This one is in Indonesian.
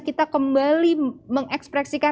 kita kembali mengekspresikan